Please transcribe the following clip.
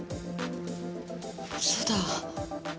そうだ。